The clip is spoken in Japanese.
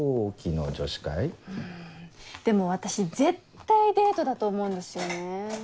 でも私絶対デートだと思うんですよね。